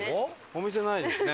お店ないですね。